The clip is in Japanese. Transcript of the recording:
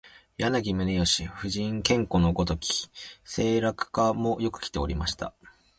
柳宗悦、夫人兼子のごとき声楽家もよくきておりました